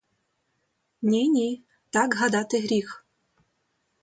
Ні, ні, так гадати гріх.